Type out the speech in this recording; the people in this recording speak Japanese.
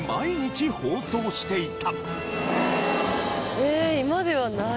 えーっ今ではない。